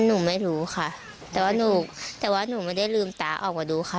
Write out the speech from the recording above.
หนูไม่รู้ค่ะแต่ว่าหนูไม่ได้ลืมตาออกมาดูค่ะ